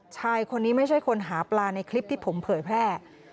ชายคนนี้ไม่ใช่คนหาปลาในคลิปที่ผมเผยแพร่